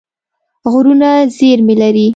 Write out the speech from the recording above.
غرونه زېرمې لري.